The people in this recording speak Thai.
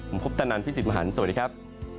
ผมพุพธนันทร์พี่สิทธิ์มหันศ์สวัสดีครับ